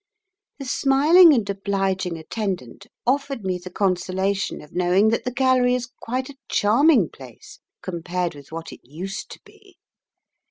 The smiling and obliging attendant offered me the consolation of knowing that the Gallery is quite a charming place compared with what it used to be.